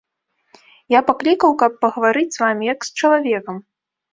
Я паклікаў, каб гаварыць з вамі як з чалавекам.